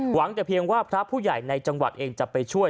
หวังแต่เพียงว่าพระผู้ใหญ่ในจังหวัดเองจะไปช่วย